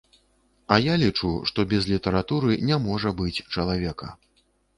А я лічу, што без літаратуры не можа быць чалавека.